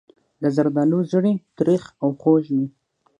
د زردالو زړې تریخ او خوږ وي.